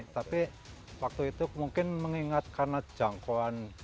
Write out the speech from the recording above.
tapi waktu itu mungkin mengingat karena jangkauan